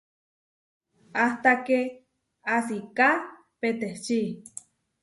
Áhta ké asiká peteči.